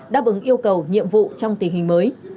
đáp ứng yêu cầu nhiệm vụ trong tình hình mới